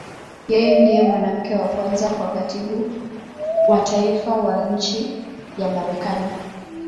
Yeye ndiye mwanamke wa kwanza kuwa Katibu wa Taifa wa nchi ya Marekani.